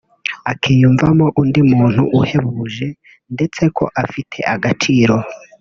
akiyumvamo undi muntu uhebuje ndeste ko afite agaciro